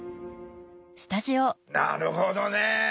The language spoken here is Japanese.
なるほどね。